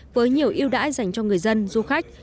với nhiều yêu đãi dành cho người dân du khách